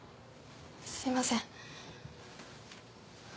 すいません。